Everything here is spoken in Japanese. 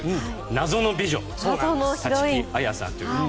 謎の美女、立木彩さんという。